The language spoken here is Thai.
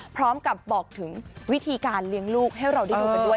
พร้อมกับบอกถึงวิธีการเลี้ยงลูกให้เราได้ดูกันด้วย